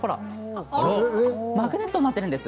マグネットになっているんです。